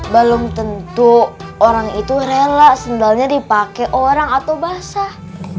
belum tentu orang itu rela sendalnya dipakai orang atau basah